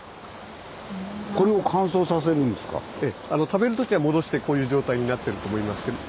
食べるときは戻してこういう状態になってると思いますけど。